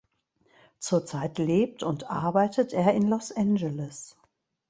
Zurzeit lebt und arbeitet er in Los Angeles.